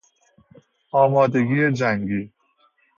آمادگی جنگی